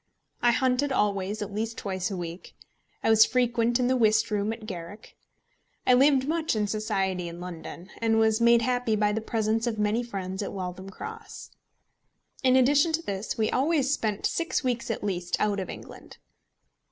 I hunted always at least twice a week. I was frequent in the whist room at the Garrick. I lived much in society in London, and was made happy by the presence of many friends at Waltham Cross. In addition to this we always spent six weeks at least out of England.